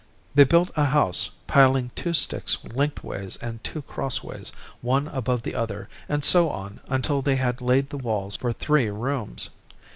They built a house, piling two sticks lengthways and two crossways, one above the other, and so on until they had laid the walls for three rooms.